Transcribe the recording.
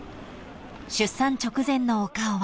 ［出産直前のお顔は］